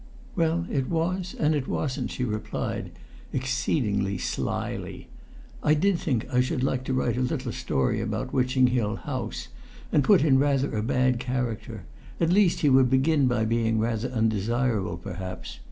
"Well, it was and it wasn't," she replied, exceeding slyly. "I did think I should like to write a little story about Witching Hill House, and put in rather a bad character; at least he would begin by being rather undesirable, perhaps.